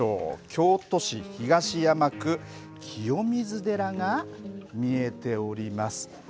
京都市東山区清水寺が見えております。